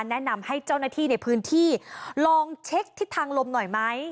แนะนำให้เจ้าหน้าที่ในพื้นที่ลองเช็คทิศทางลมหน่อยไหม